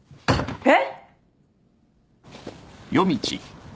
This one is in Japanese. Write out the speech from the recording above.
えっ？